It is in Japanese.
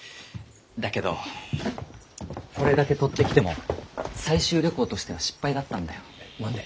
だけどこれだけ採ってきても採集旅行としては失敗だったんだよ。何で？